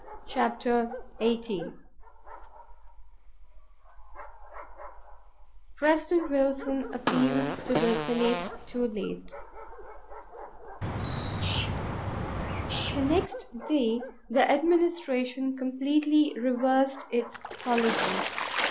Chapter 18 President Wilson Appeals to the Senate Too Late The next day the Administration completely reversed its policy.